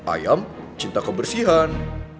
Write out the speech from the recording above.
ayam cinta kebersihan